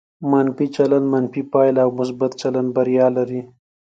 منفي چلند منفي پایله او مثبت چلند بریا لري.